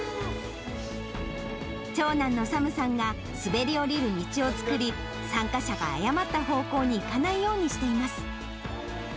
長男のサムさんが滑り降りる道を作り、参加者が誤った方向に行かないようにしています。